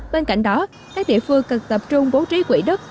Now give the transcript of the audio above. bên cạnh đó các địa phương cần tập trung bố trí quỹ đất